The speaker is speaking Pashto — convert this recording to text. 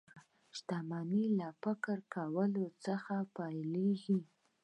شتمني له فکر کولو څخه پيلېږي